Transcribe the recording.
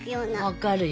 分かるよ。